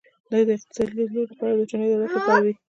دا د اقتصادي لیدلوري له پلوه د ټولنیز هدف لپاره وي.